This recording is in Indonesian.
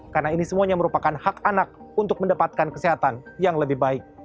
karena ini semuanya merupakan hak anak untuk mendapatkan kesehatan yang lebih baik